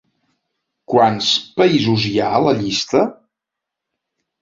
Quants països hi ha a la llista?